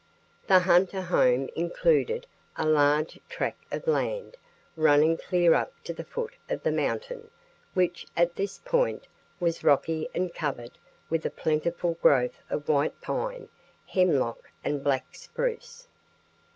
The Hunter home included a large tract of land running clear up to the foot of the mountain, which, at this point, was rocky and covered with a plentiful growth of white pine, hemlock and black spruce.